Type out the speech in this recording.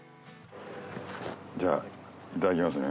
じゃあいただきますね。